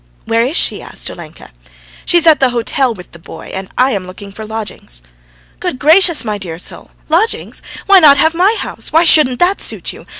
"Where is she?' asked Olenka. "She's at the hotel with the boy, and I'm looking for lodgings." "Good gracious, my dear soul! Lodgings? Why not have my house? Why shouldn't that suit you?